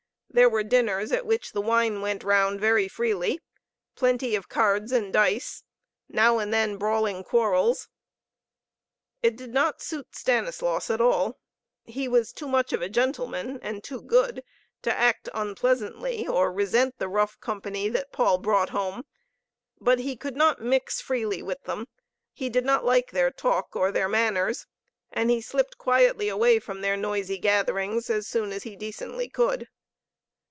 There were dinners at which the wine went round very freely, plenty of cards and dice, now and then brawling quarrels. It did not suit Stanislaus at all. He was too much of a gentleman, and too good, to act unpleasantly or resent the rough company that Paul brought home. But he could not mix freely with them, he did not like their talk or their manners, and he slipped quietly away from their noisy gatherings as soon as he decently could.